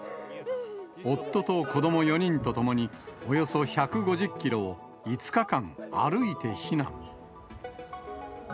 夫と子ども４人と共に、およそ１５０キロを５日間、歩いて避難。